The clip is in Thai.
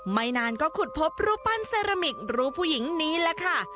ไม่นานก็ขุดพบรูปปั้นเซรามิกรูปผู้หญิงนี้แหละค่ะ